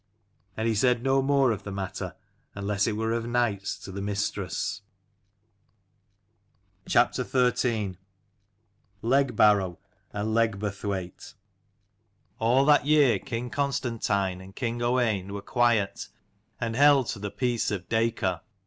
And he said no more of the matter, unless it were of nights to the mistress. 7* CHAPTER XIII. LEG BARROW AND LEGBUR THWAITE. LL that year king Constantine and king Owain were quiet, and held to the peace of Dacor.